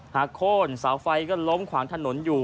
โค้นเสาไฟก็ล้มขวางถนนอยู่